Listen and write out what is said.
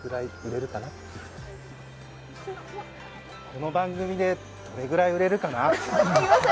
この番組でどれぐらい売れるかな。